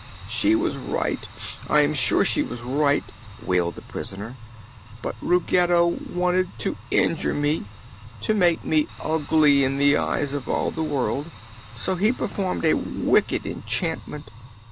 "She was right! I am sure she was right," wailed the prisoner. "But Ruggedo wanted to injure me to make me ugly in the eyes of all the world so he performed a wicked enchantment.